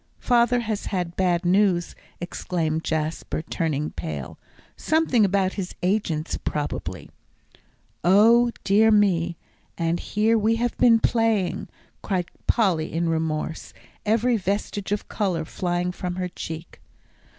"Father has had bad news!" exclaimed Jasper, turning pale; "something about his agents, probably." "O dear me! and here we have been playing," cried Polly in remorse, every vestige of colour flying from her cheek.